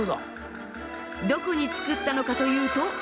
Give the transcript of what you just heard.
どこにつくったのかというと。